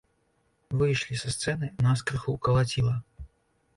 Выйшлі са сцэны, нас крыху калаціла.